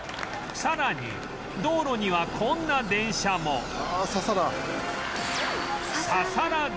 さらに道路にはこんな電車もああササラ。